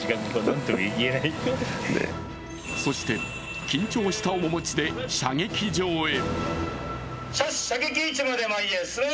そして、緊張した面持ちで射撃場へ。